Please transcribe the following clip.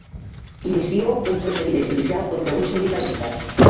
Inicio un procediment judicial contra un sindicalista.